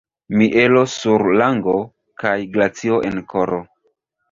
Mielo sur lango, kaj glacio en koro.